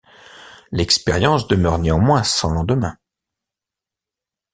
L'expérience demeure néanmoins sans lendemain.